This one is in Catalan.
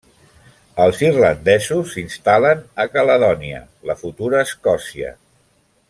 Els irlandesos s'instal·len a Caledònia, la futura Escòcia.